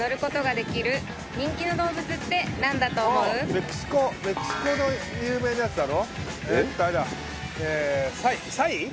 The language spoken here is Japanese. メキシコメキシコの有名なやつだろ